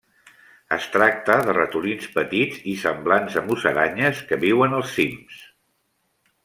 Es tracta de ratolins petits i semblants a musaranyes que viuen als cims.